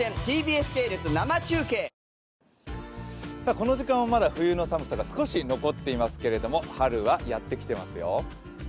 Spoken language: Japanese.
この時間はまだ冬の寒さが少し残っていますけれども春はやってきてますよ。